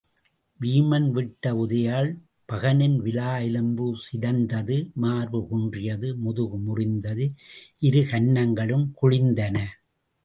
வீமன் விட்ட உதையால் பகனின் விலா எலும்பு சிதைந்தது மார்பு குன்றியது முதுகு முறிந்தது இரு கன்னங்களும் குழிந்தன.